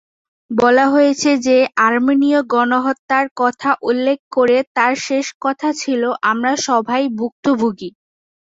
বলা হয়েছে যে আর্মেনিয় গণহত্যার কথা উল্লেখ করে তার শেষ কথা ছিল "আমরা সবাই ভুক্তভোগী"।